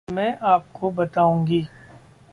मैं आपको बताऊँगी।